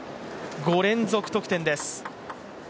５連続得点です。